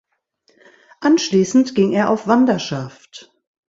Anschließend ging er auf Wanderschaft.